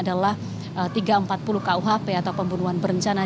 adalah tiga ratus empat puluh kuhp atau pembunuhan berencana